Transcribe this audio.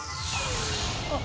あっ。